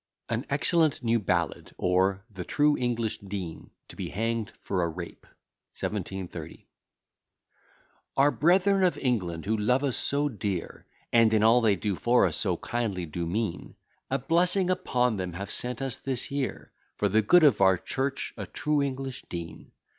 AN EXCELLENT NEW BALLAD OR, THE TRUE ENGLISH DEAN TO BE HANGED FOR A RAPE. 1730 Our brethren of England, who love us so dear, And in all they do for us so kindly do mean, (A blessing upon them!) have sent us this year, For the good of our church, a true English dean.